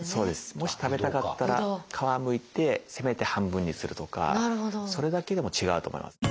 もし食べたかったら皮むいてせめて半分にするとかそれだけでも違うと思います。